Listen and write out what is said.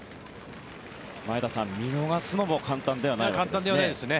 前田さん見逃すのも簡単ではないですね。